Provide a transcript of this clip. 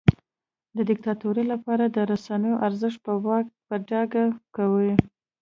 د دیکتاتور لپاره د رسنیو ارزښت په ډاګه کوي.